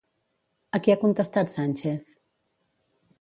A qui ha contestat Sánchez?